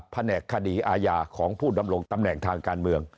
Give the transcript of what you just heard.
แผนกคดีอาญาของผู้ดำรงตำแหน่งทางการเมือง